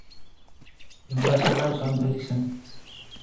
Ambassador John Allison.